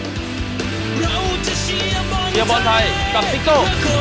เชียวบอลไทยกับซิกโก้